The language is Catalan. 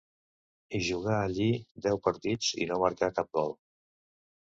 Hi jugà allí deu partits i no marcà cap gol.